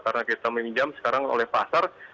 karena kita meninjam sekarang oleh pasar